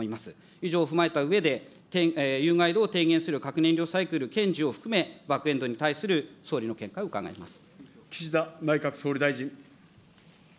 以上を踏まえたうえで、有害度を低減する核燃料サイクルけんじを含め、バックエンドに対する総理の見解を伺います。